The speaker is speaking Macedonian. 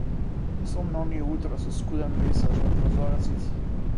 Мислам на оние утра со скуден пејсаж во прозорецот.